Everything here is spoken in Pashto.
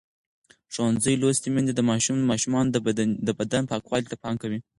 ښوونځې لوستې میندې د ماشومانو د بدن پاکوالي ته پام کوي.